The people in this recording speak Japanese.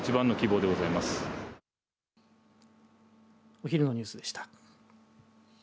お昼のニュースでした。